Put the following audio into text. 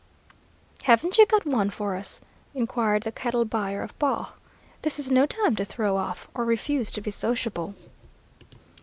"Haven't you got one for us?" inquired the cattle buyer of Baugh. "This is no time to throw off, or refuse to be sociable."